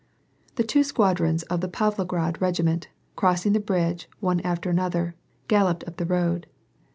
The two squadrons of the Pavlograd regiment, crossin bridge, one after the other, galloped up the road.